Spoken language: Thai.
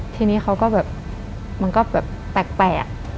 ทีนี้เขาก็แบบแปลก